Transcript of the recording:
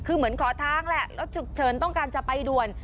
คือเหมือนขอทางแหละรถฉุกเฉินต้องการจะไปด่วน